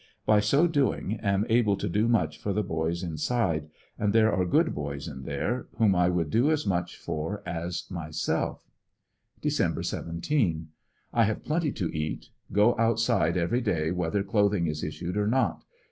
By so doing am able to do much for the boys inside, and there are good boys in there, whom I would do as much for as myself, Dec. 17. — I have plenty to eat. Go outside every day whether clothing is issued or not.